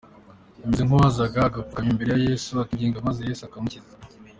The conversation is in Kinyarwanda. Bimeze nk'uwazaga agapfukama imbere ya Yesu akinginga maze Yesu akamukiza.